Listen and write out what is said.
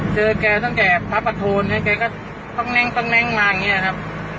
เจอแกตั้งแต่พระปะโทนเนี้ยแกก็ต้องแน่งต้องแน่งมาอย่างเงี้ยครับ